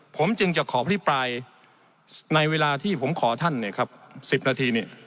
ผมจึงจะขอพิปรายในเวลาที่ผมขอท่านเนี่ยครับ๑๐นาทีเนี่ย